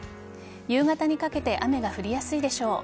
夕方にかけて雨が降りやすいでしょう。